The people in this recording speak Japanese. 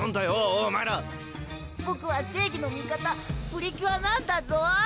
お前らボクは正義の味方・プリキュアなんだぞ？